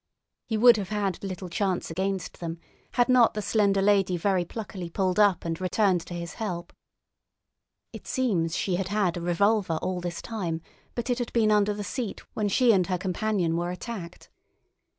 He would have had little chance against them had not the slender lady very pluckily pulled up and returned to his help. It seems she had had a revolver all this time, but it had been under the seat when she and her companion were attacked.